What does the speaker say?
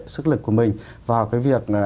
sức lực của mình vào cái việc